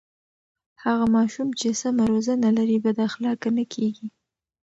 هغه ماشوم چې سمه روزنه لري بد اخلاقه نه کېږي.